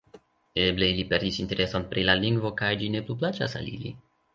Eble ili perdis intereson pri la lingvo kaj ĝi ne plu plaĉas al ili.